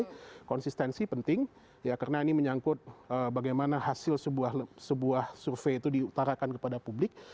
dan itu juga intensi penting karena ini menyangkut bagaimana hasil sebuah survei itu diutarakan kepada publik